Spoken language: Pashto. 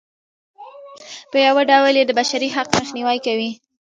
په یوه ډول یې د بشري حق مخنیوی کوي.